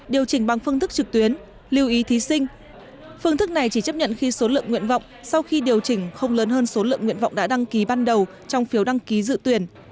điều chỉnh bằng phương thức trực tuyến lưu ý thí sinh phương thức này chỉ chấp nhận khi số lượng nguyện vọng sau khi điều chỉnh không lớn hơn số lượng nguyện vọng đã đăng ký ban đầu trong phiếu đăng ký dự tuyển